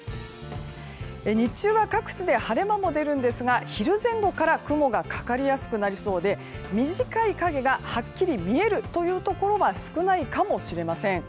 日中は各地で晴れ間も出るんですが昼前後から雲がかかりやすくなりそうで短い影がはっきり見えるというところは少ないかもしれません。